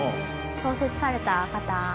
創設された方。